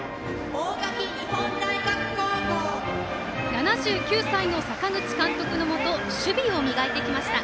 ７９歳の阪口監督のもと守備を磨いてきました。